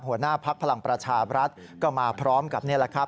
หัวหน้าพักพลังประชาบรัฐก็มาพร้อมกับนี่แหละครับ